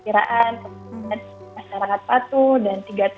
masyarakat patuh dan tiga t berjalan dengan baik